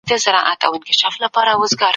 ولي کندهار کي د صنعت لپاره دوام مهم دی؟